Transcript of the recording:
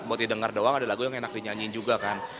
buat didengar doang ada lagu yang enak dinyanyiin juga kan